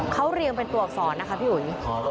เขาเรียงเป็นตัวอักษรนะคะพี่อุ๋ย